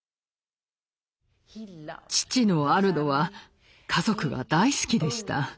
父のアルドは家族が大好きでした。